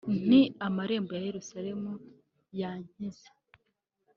nti amarembo ya Yerusalemu yakinze